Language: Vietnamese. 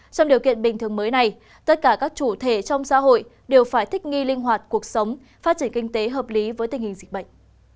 trong điều kiện bình thường mới này tất cả các chủ thể trong xã hội đều phải thích nghi linh hoạt cuộc sống phát triển kinh tế hợp lý với tình hình dịch bệnh